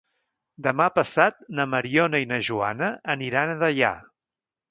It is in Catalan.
Demà passat na Mariona i na Joana aniran a Deià.